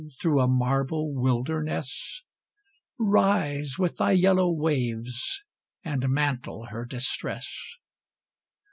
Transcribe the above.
through a marble wilderness? Rise, with thy yellow waves, and mantle her distress!